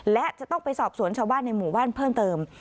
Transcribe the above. และจะต้องไปสอบสวนชาวบ้านในหมู่บ้านเพิ่มเติม